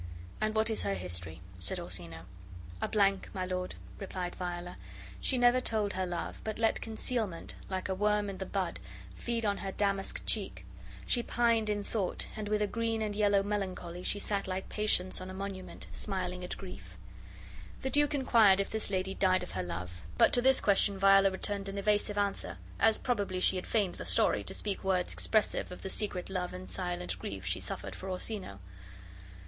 "And what is her history?" said Orsino. "A blank, my lord," replied Viola. "She never told her love, but let concealment, like a worm in the bud, feed on her damask cheek. She pined in thought, and with a green and yellow melancholy she sat like Patience on a monument, smiling at Grief." The duke inquired if this lady died of her love, but to this question Viola returned an evasive answer; as probably she had feigned the story, to speak words expressive of the secret love and silent grief she suffered for Orsino.